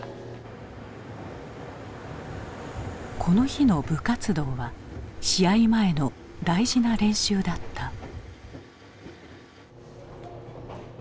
この日の部活動は試合前の大事な練習だった。